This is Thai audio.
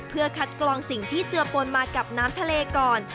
เพื่อคัดกรองสิ่งที่เจือปนมากับน้ำทะเลก่อน